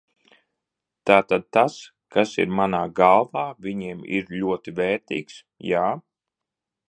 Tātad tas, kas ir manā galvā, viņiem ir ļoti vērtīgs, jā?